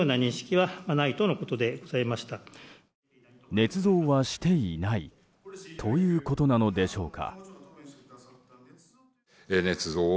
ねつ造はしていないということなのでしょうか。